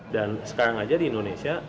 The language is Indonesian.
dan sekarang aja di indonesia